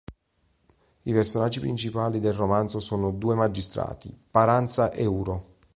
I personaggi principali del romanzo sono due magistrati, Paranza e Uro.